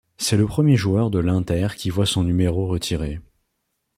C'est le premier joueur de l'Inter qui voit son numéro retiré.